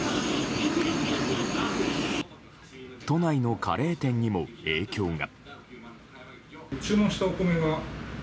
都内のカレー店にも影響が。